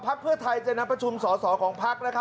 พรรคเพื่อไทยจะน้ำประชุมส้อของพรรค